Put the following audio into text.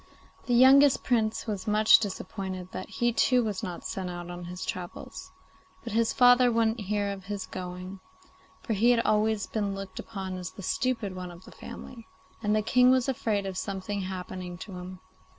The youngest Prince was much disappointed that he too was not sent out on his travels; but his father wouldn't hear of his going, for he had always been looked upon as the stupid one of the family, and the King was afraid of something happening to him.